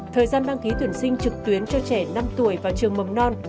thời gian đăng ký tuyển sinh trực tuyến cho trẻ năm tuổi vào trường mầm non